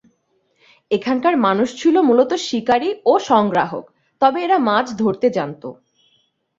এখানকার মানুষ ছিল মূলত শিকারী ও সংগ্রাহক; তবে এরা মাছ ধরতে জানতো।